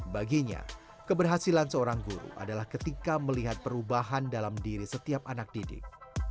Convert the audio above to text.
baginya keberhasilan seorang guru adalah ketika melihat perubahan dalam diri setiap anak didik